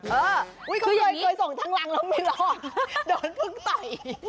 เออเคยส่งทั้งหลังแล้วไม่รอดโดนเพิ่งต่อย